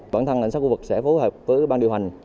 bản thân lãnh sát khu vực sẽ phối hợp với bang điều hành